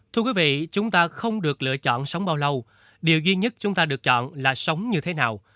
thưa quý vị chúng ta không được lựa chọn sống bao lâu điều duy nhất chúng ta được chọn là sống như thế nào